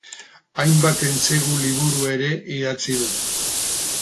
Hainbat entsegu liburu ere idatzi du.